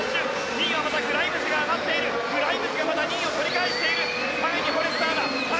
２位はグライムズが上がっているグライムズが２位を取り戻してる３位にフォレスターだ。